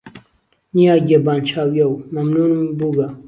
نیاگیه بان چاویهو، مهمنوونم بووگه